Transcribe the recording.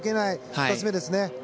２つ目ですね。